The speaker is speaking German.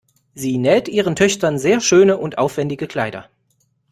Sie näht ihren Töchtern sehr schöne und aufwendige Kleider.